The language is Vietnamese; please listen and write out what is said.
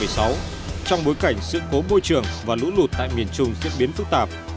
cuối tháng một mươi một năm hai nghìn một mươi sáu trong bối cảnh sự cố môi trường và lũ lụt tại miền trung diễn biến phức tạp